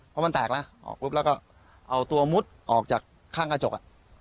พอมันแตกแล้วออกก็เอาตัวมุดออกจากข้างกระจก